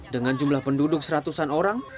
dengan jumlah penduduk seratusan orang